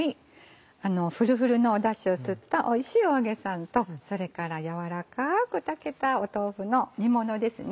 ふるふるのだしを吸ったおいしいお揚げさんとそれから軟らかく炊けた豆腐の煮物ですね。